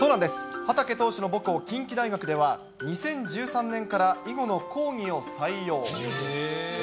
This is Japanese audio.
畠投手の母校、近畿大学では、２０１３年から囲碁の講義を採用。